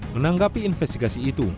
menanggapi investigasi itu